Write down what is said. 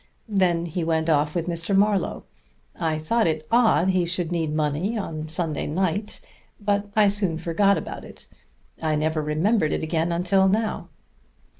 Then he went off with Mr. Marlowe. I thought it odd he should need money on Sunday night, but I soon forgot about it. I never remembered it again until now."